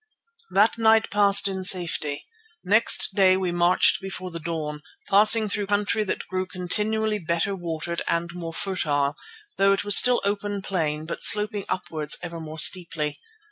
That night passed in safety. Next day we marched before the dawn, passing through country that grew continually better watered and more fertile, though it was still open plain but sloping upwards ever more steeply.